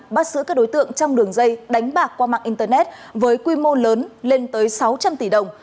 bắt giữ các đối tượng trong đường dây đánh bạc qua mạng internet với quy mô lớn lên tới sáu trăm linh tỷ đồng